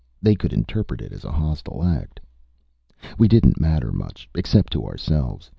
They could interpret it as a hostile act. We didn't matter much, except to ourselves.